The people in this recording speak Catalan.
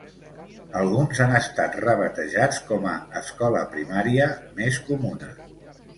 Alguns han estat rebatejats com a "escola primària" més comuna.